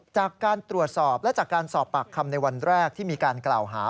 จากการตรวจสอบและจากการสอบปากคำในวันแรกที่มีการกล่าวหา